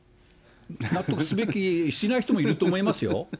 納得すべき、しない人もいると思いますよ。